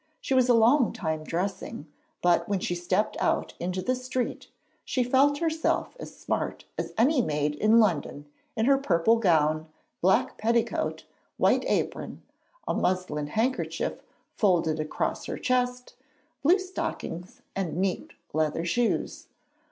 She was a long time dressing, but when she stepped out into the street, she felt herself as smart as any maid in London in her purple gown, black petticoat, white apron, a muslin handkerchief folded across her chest, blue stockings, and neat leather shoes.